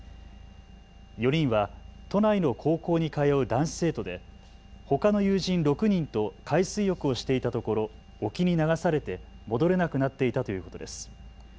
４人は都内の高校に通う男子生徒でほかの友人６人と海水浴をしていたところ沖に流されて戻れなくなっていたということです。